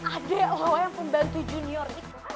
adek lo yang pembantu junior itu